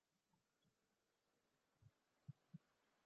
He has a bust in his old place of work, Guy's Hospital, London.